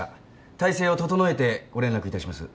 体制を整えてご連絡いたします。